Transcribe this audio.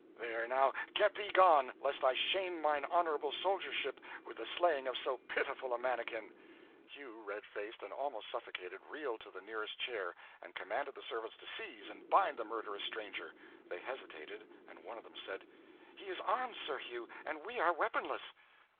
There now get thee gone, lest I shame mine honourable soldiership with the slaying of so pitiful a mannikin!" Hugh, red faced, and almost suffocated, reeled to the nearest chair, and commanded the servants to seize and bind the murderous stranger. They hesitated, and one of them said "He is armed, Sir Hugh, and we are weaponless."